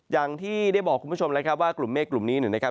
อย่างที่ได้บอกคุณผู้ชมแล้วครับว่ากลุ่มเมฆกลุ่มนี้เนี่ยนะครับ